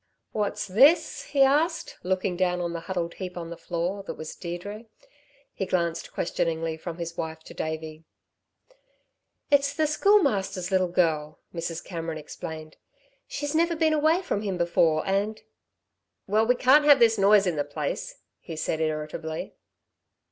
"What's this?" he asked, looking down on the huddled heap on the floor that was Deirdre. He glanced questioningly from his wife to Davey. "It's the Schoolmaster's little girl!" Mrs. Cameron explained. "She's never been away from him before, and " "Well, we can't have this noise in the place," he said irritably.